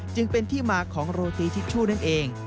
จึงเป็นที่มาของโรตีทิชชู่นั่นเอง